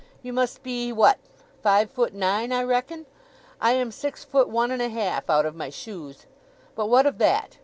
You must be, what—five foot nine, I reckon? I am six foot one and a half out of my shoes. But what of that?